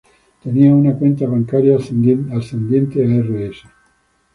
Tenía una cuenta bancaria ascendiente a Rs.